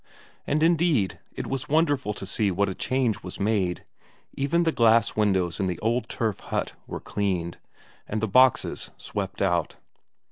And indeed it was wonderful to see what a change was made; even the glass windows in the old turf hut were cleaned, and the boxes swept out.